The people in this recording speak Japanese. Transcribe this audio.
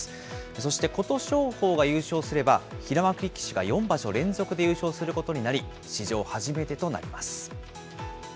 そして琴勝峰が優勝すれば、平幕力士が４場所連続で優勝することになり、史上初めてとなります。